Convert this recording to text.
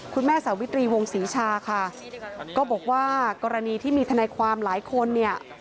สาวิตรีวงศรีชาค่ะก็บอกว่ากรณีที่มีทนายความหลายคนเนี่ย